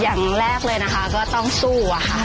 อย่างแรกเลยนะคะก็ต้องสู้อะค่ะ